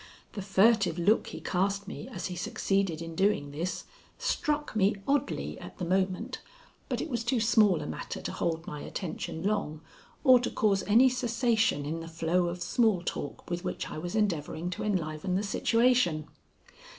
The furtive look he cast me as he succeeded in doing this struck me oddly at the moment, but it was too small a matter to hold my attention long or to cause any cessation in the flow of small talk with which I was endeavoring to enliven the situation.